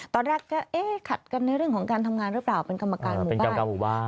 ตอนแรกก็ขัดกันในเรื่องของการทำงานหรือเปล่าเป็นกรรมการหมู่บ้าน